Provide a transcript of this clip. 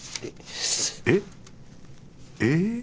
えっ？えっ？